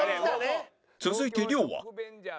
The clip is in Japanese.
続いて亮は